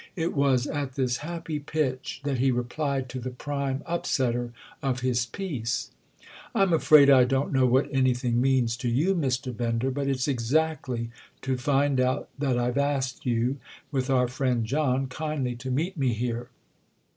It was at this happy pitch that he replied to the prime upsetter of his peace. "I'm afraid I don't know what anything means to you, Mr. Bender—but it's exactly to find out that I've asked you, with our friend John, kindly to meet me here.